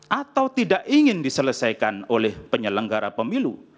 atau tidak ingin diselesaikan oleh penyelenggara pemilu